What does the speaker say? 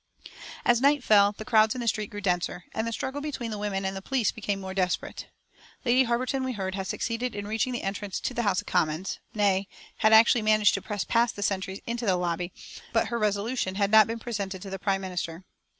As night fell the crowds in the street grew denser, and the struggle between the women and the police became more desperate. Lady Harberton, we heard, had succeeded in reaching the entrance to the House of Commons, nay, had actually managed to press past the sentries into the lobby, but her resolution had not been presented to the Prime Minister.